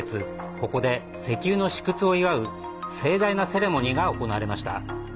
ここで、石油の試掘を祝う盛大なセレモニーが行われました。